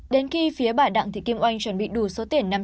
đến khi phía bà đặng thị kim oanh chuẩn bị đủ số tiền năm trăm linh tỷ